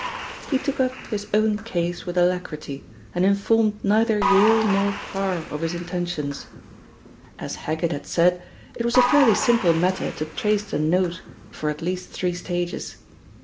He took up his own case with alacrity, and informed neither Yale nor Parr of his intentions. As Heggitt had said, it was a fairly simple matter to trace the note, for at least three stages.